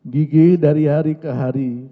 gigi dari hari ke hari